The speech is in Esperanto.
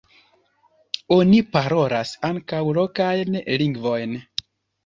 Oni parolas ankaŭ lokajn lingvojn.